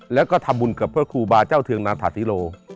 แล้วก็ทำบุญกับพระครูบาเจ้าเทืองนาธาธิโล